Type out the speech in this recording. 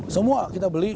semua kita beli